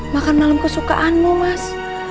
makan malam kesukaanmu mas